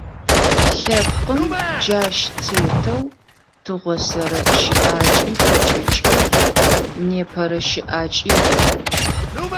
Лъэпкъым джащ тетэу тыгъосэрэ щыӏакӏи пэкӏэкӏыгъ, непэрэ щыӏакӏи иӏ.